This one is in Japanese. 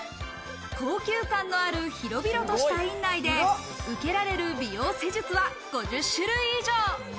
高級感のある広々とした院内で、受けられる美容施術は５０種類以上。